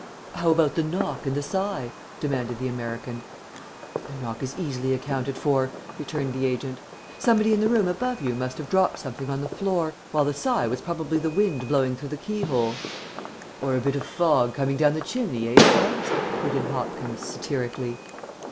"How about the knock and the sigh?" demanded the American. "The knock is easily accounted for," returned the agent. "Somebody in the room above you must have dropped something on the floor, while the sigh was probably the wind blowing through the key hole." "Or a bit of fog coming down the chimney, eh, Stubbs?" put in Hopkins, satirically.